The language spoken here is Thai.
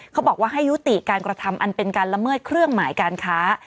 เขาบอกว่าให้ยุติการกระทำอันเป็นการละเมิดเครื่องหมายการค้า